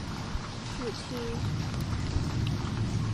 音乐试听